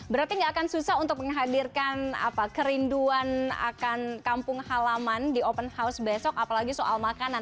berarti nggak akan susah untuk menghadirkan kerinduan akan kampung halaman di open house besok apalagi soal makanan